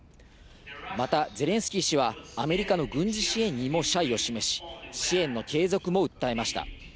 またゼレンスキー氏は、アメリカの軍事支援にも謝意を示し、支援の継続も訴えました。